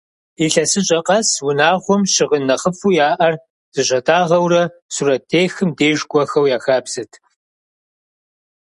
Илъэсыщӏэ къэс унагъуэм щыгъын нэхъыфӏу яӏэр зыщатӏагъэурэ, сурэттехым деж кӏуэхэу я хабзэт.